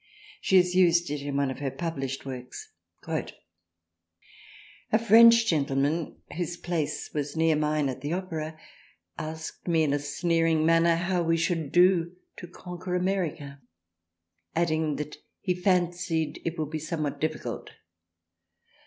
She has used it in one of her published works. " A French Gentleman whose Place was near mine at the Opera asked me in a sneering manner how we should do to conquer America adding that he fancied it would be somewhat difficult.